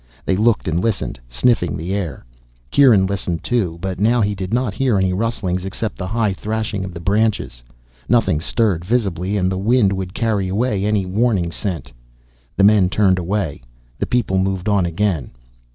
They looked and listened, sniffing the air. Kieran listened too, but now he did not hear any rustlings except the high thrashing of the branches. Nothing stirred visibly and the wind would carry away any warning scent. The men turned away. The people moved on again.